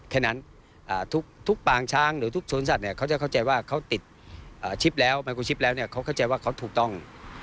แค่นั้นทุกปางช้างหรือทุกสวนสัตว์เนี่ยเขาจะเข้าใจว่าเขาติดชิปแล้วไมโครชิปแล้วเนี่ยเขาเข้าใจว่าเขาถูกต้อง